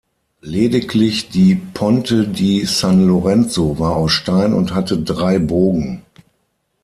Lediglich die "Ponte di San Lorenzo" war aus Stein und hatte drei Bogen.